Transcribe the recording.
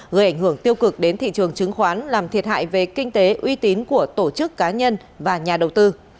gây ảnh hưởng tiêu cực đến thị trường chứng khoán làm thiệt hại về kinh tế uy tín của tổ chức cá nhân và nhà đầu tư